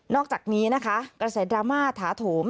อกจากนี้นะคะกระแสดราม่าถาโถม